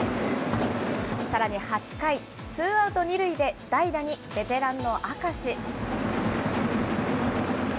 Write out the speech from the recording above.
さらに８回、ツーアウト２塁で、代打にベテランの明石。